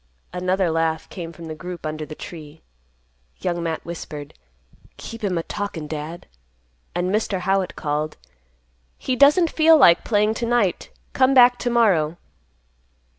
Another laugh came from the group under the tree. Young Matt whispered, "Keep him a talkin', Dad;" and Mr. Howitt called, "He doesn't feel like playing to night. Come back to morrow."